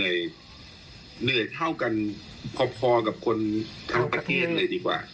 เหนื่อยเหนื่อยเท่ากันพอกับคนทั้งประเทศเลยดีกว่า